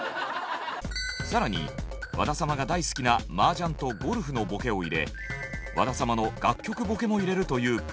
更に和田様が大好きなマージャンとゴルフのボケを入れ和田様の楽曲ボケも入れるというプロデュースも。